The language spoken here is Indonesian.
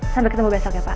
sampai ketemu besok ya pak